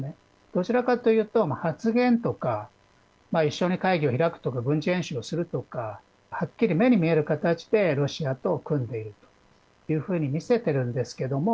どちらかというと発言とか一緒に会議を開くとか軍事演習をするとかはっきり目に見える形でロシアと組んでいるというふうに見せてるんですけども